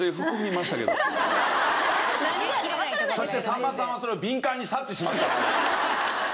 そしてさんまさんはそれを敏感に察知しますからね。